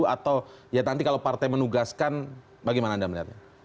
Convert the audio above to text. atau ya nanti kalau partai menugaskan bagaimana anda melihatnya